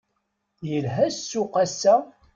Yelha ssuq ass-a?